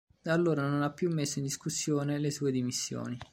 Da allora non ha più messo in discussione le sue dimissioni.